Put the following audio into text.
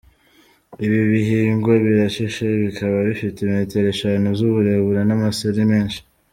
ibi bihingwa birashishe, bikaba bifite metero eshanu z'uburebure n'amaseri menshi".